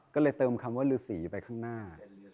ก็เลยเติมคำว่าฤษีไปข้างหน้า